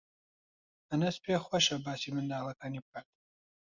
ئەنەس پێی خۆشە باسی منداڵەکانی بکات.